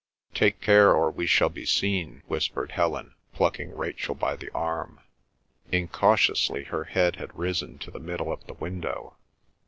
"Take care or we shall be seen," whispered Helen, plucking Rachel by the arm. Incautiously her head had risen to the middle of the window.